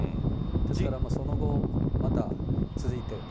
だからその後まだ続いていると。